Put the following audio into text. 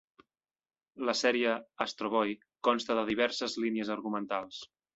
La sèrie "Astro Boy" consta de diverses línies argumentals.